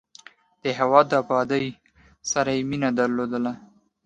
د هېواد د ابادۍ سره یې مینه درلودل.